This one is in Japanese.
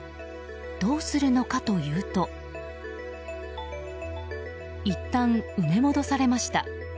どうするのかというといったん埋め戻されました。